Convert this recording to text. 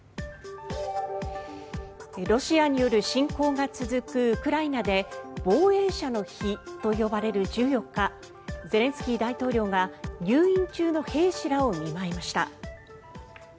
ロシアによる侵攻が続くウクライナで防衛者の日と呼ばれる１４日ゼレンスキー大統領が入院中の兵士らを見舞いました。